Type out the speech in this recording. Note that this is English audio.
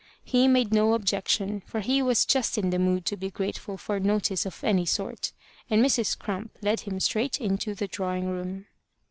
He made no objection, for he was just in the mood to be grateful for notice of any sort, and Mrs. Crump led him straight into the drawing room.